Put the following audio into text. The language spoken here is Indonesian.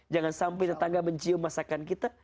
jangan sampai tetangga mencium masakan kita